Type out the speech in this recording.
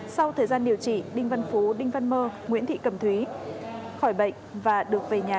sau thời gian điều trị đinh văn phú đinh văn mơ nguyễn thị cẩm thúy khỏi bệnh và được về nhà